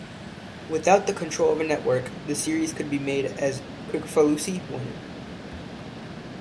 Without the control of a network, the series could be made as Kricfalusi wanted.